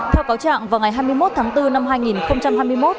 theo cáo trạng vào ngày hai mươi một tháng bốn năm hai nghìn hai mươi một